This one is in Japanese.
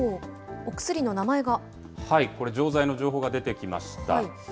これ、錠剤の情報が出てきました。